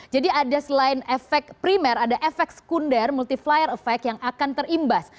jadi ada selain efek primer ada efek sekunder multiplier efek yang akan terimbas